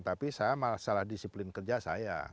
tapi saya masalah disiplin kerja saya